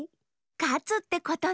かつってことね！